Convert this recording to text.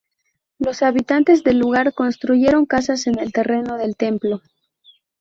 Los habitantes del lugar construyeron casas en el terreno del templo.